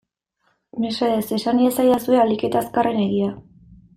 Mesedez esan iezadazue ahalik eta azkarren egia.